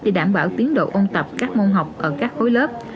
để đảm bảo tiến độ ôn tập các môn học ở các khối lớp